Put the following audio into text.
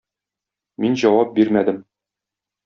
Мин җавап бирмәдем.